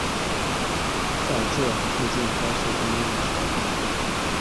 在这附近高速公路与交汇。